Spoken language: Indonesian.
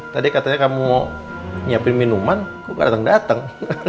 tadi katanya kamu mau nyiapin minuman kok nggak dateng dateng